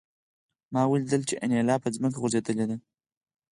ما ولیدل چې انیلا په ځمکه غورځېدلې ده